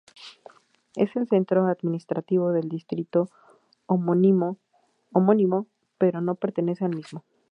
Es el centro administrativo del distrito homónimo, pero no pertenece al mismo.